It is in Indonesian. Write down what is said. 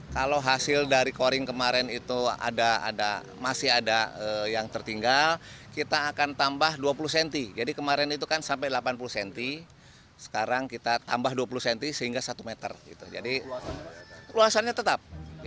kalau hasil dari coring kemarin itu masih ada yang tertinggal kita akan tambah dua puluh cm jadi kemarin itu kan sampai delapan puluh cm sekarang kita tambah dua puluh cm sehingga satu meter jadi luasannya tetap